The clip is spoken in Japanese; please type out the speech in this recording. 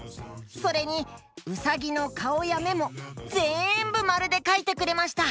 それにうさぎのかおやめもぜんぶまるでかいてくれました。